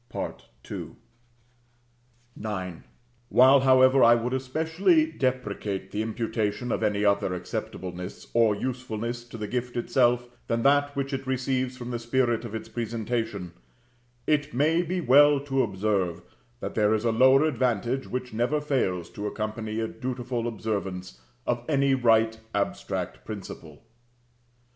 [F] John xii. 5. IX. While, however, I would especially deprecate the imputation of any other acceptableness or usefulness to the gift itself than that which it receives from the spirit of its presentation, it may be well to observe, that there is a lower advantage which never fails to accompany a dutiful observance of any right abstract principle.